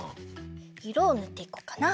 いろをぬっていこうかな。